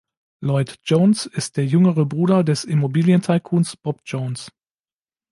Lloyd Jones ist der jüngere Bruder des Immobilien-Tycoons Bob Jones.